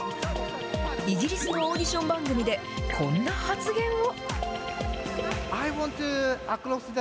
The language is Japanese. イギリスのオーディション番組で、こんな発言を。